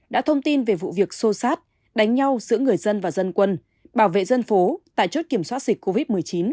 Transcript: đã thông tin về vụ việc xô xát đánh nhau giữa người dân và dân quân bảo vệ dân phố tại chốt kiểm soát dịch covid một mươi chín